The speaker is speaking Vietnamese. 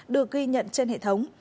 được ghi nhận trên hệ thống